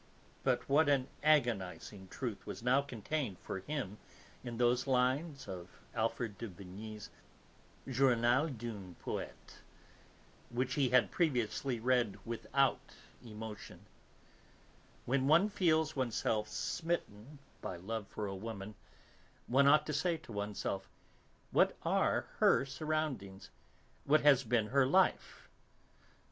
But what an agonising truth was now contained for him in those lines of Alfred de Vigny's Journal d'un Poète which he had previously read without emotion: "When one feels oneself smitten by love for a woman, one ought to say to oneself, 'What are 'her surroundings? What has been her life?'